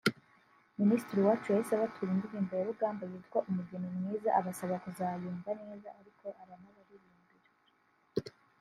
Minisitiri Uwacu yahise abatura indirimbo ya Rugamba yitwa ‘Umugeni mwiza’ abasaba kuzayumva neza ariko aranabaririmbira